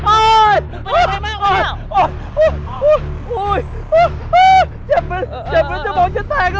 โอ้ยเห็บเหมือนสมองฉันแตกเลย